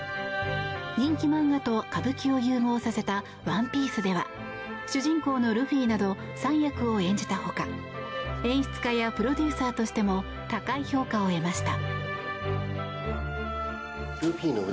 人気漫画と歌舞伎を融合させた「ＯＮＥＰＩＥＣＥ」では主人公のルフィなど３役を演じた他演出家やプロデューサーとしても高い評価を得ました。